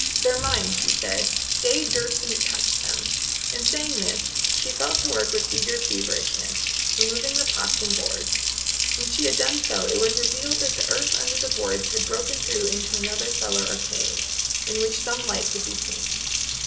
"They're mine," she said. "Day dursn't touch them;" and saying this, she fell to work with eager feverishness, removing the pots and boards. When she had done so, it was revealed that the earth under the boards had broken through into another cellar or cave, in which some light could be seen.